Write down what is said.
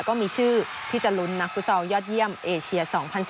ก็มีชื่อที่จะลุ้นนักฟุตซอลยอดเยี่ยมเอเชีย๒๐๑๙